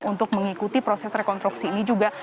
untuk mengikuti proses rekonstruksi ini juga